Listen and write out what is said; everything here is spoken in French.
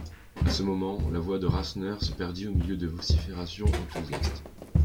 A ce moment, la voix de Rasseneur se perdit au milieu de vociférations enthousiastes.